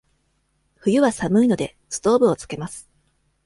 冬は寒いので、ストーブをつけます。